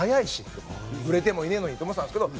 売れてもいねえのにと思ってたんですけど